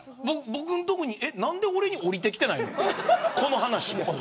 僕のところに何で俺のところに下りてきてないの、この話。